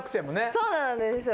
そうなのですよ